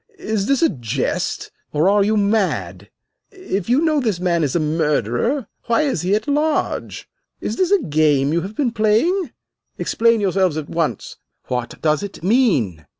"Is this a jest, or are you mad? If you know this man is a murderer, why is he at large? Is this a game you have been playing? Explain yourselves at once. What does it mean?"